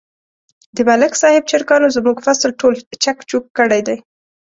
د ملک صاحب چرگانو زموږ فصل ټول چک چوک کړی دی.